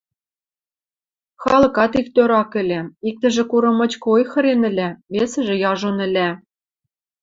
Халыкат иктӧр ак ӹлӹ: иктӹжӹ курым мычкы ойхырен ӹлӓ, весӹжӹ яжон ӹлӓ.